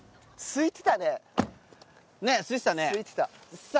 すいてた